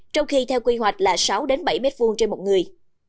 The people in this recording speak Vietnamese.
trong khi theo quy hoạch là sáu bảy m hai trên một người